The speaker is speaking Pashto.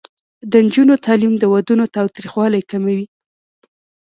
د نجونو تعلیم د ودونو تاوتریخوالي کموي.